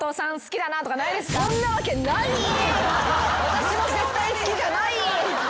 私も絶対好きじゃない。